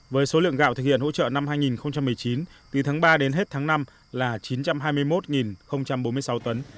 với số lượng gạo thực hiện hỗ trợ năm hai nghìn một mươi chín từ tháng ba đến hết tháng năm là chín trăm hai mươi một bốn mươi sáu tấn